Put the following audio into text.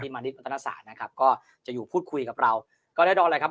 มานิดวัฒนศาสตร์นะครับก็จะอยู่พูดคุยกับเราก็แน่นอนแหละครับ